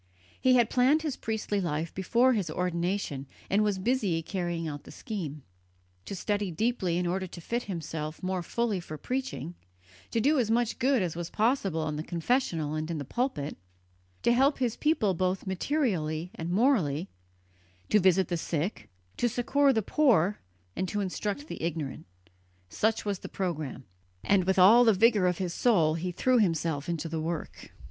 He had planned his priestly life before his ordination, and was busy carrying out the scheme. To study deeply in order to fit himself more fully for preaching; to do as much good as was possible in the confessional and in the pulpit; to help his people both materially and morally, to visit the sick, to succour the poor and to instruct the ignorant such was the programme, and with all the vigour of his soul he threw himself into the work.